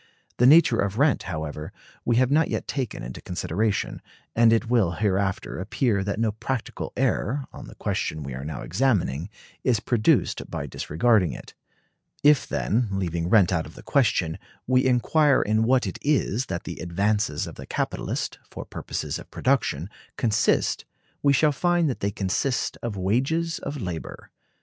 The nature of rent, however, we have not yet taken into consideration; and it will hereafter appear that no practical error, on the question we are now examining, is produced by disregarding it. If, then, leaving rent out of the question, we inquire in what it is that the advances of the capitalist, for purposes of production, consist, we shall find that they consist of wages of labor.